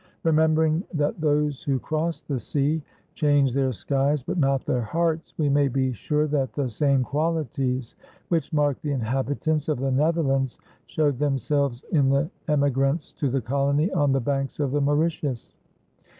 Remembering that those who cross the sea change their skies but not their hearts, we may be sure that the same qualities which marked the inhabitants of the Netherlands showed themselves in the emigrants to the colony on the banks of the Mauritius.